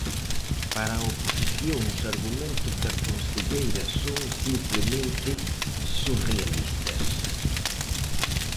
Para a oposición os argumentos da conselleira son, simplemente, "surrealistas".